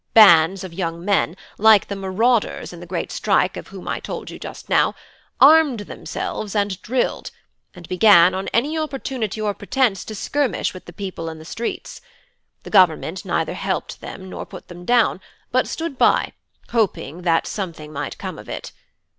Bands of young men, like the marauders in the great strike of whom I told you just now, armed themselves and drilled, and began on any opportunity or pretence to skirmish with the people in the streets. The Government neither helped them nor put them down, but stood by, hoping that something might come of it.